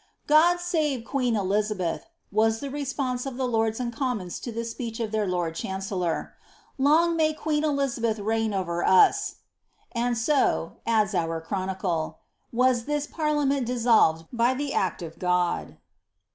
'God rave queen Elizabeth !'' was the response of the lords and com mons to the speech of their lord chancellor —^ Long may queen Eliza beth reign over us P' ^And so," adds our chronicle, ^ was this parlia ment dissolved by the act of God.'